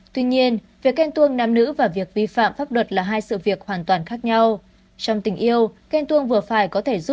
tuy nhiên việc kèn tuông nam nữ và việc vi phạm pháp luật là hai sự việc hoàn toàn khác nhau